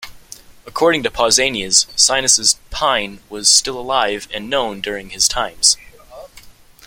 According to Pausanias, Sinis's pine was still alive and known during his times.